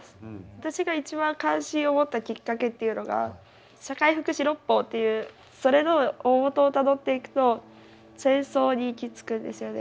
私が一番関心を持ったきっかけっていうのが社会福祉六法っていうそれの大本をたどっていくと戦争に行き着くんですよね。